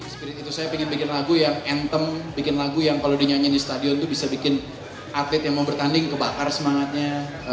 spirit itu saya ingin bikin lagu yang entem bikin lagu yang kalau dinyanyiin di stadion itu bisa bikin atlet yang mau bertanding kebakar semangatnya